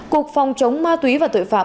cục phòng chống ma túy và tội phạm